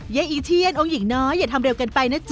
เย้อีเชศองค์หญิงน้อยอย่าทำเร็วกันไปนะจ๊ะ